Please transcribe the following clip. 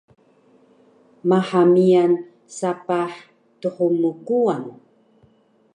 Maha miyan sapah thmkuwan